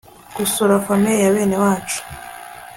gusura famille ya bene wacu